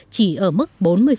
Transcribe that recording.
chỉ ở mức bốn mươi